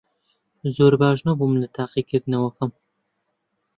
زۆر باش نەبووم لە تاقیکردنەوەکەم.